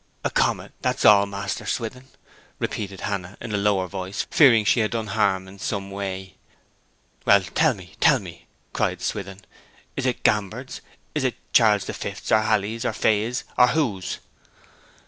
'A comet that's all, Master Swithin,' repeated Hannah, in a lower voice, fearing she had done harm in some way. 'Well, tell me, tell me!' cried Swithin. 'Is it Gambart's? Is it Charles the Fifth's, or Halley's, or Faye's, or whose?'